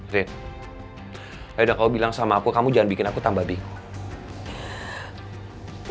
riz ayo jangan kamu bilang sama aku kamu jangan bikin aku tambah bingung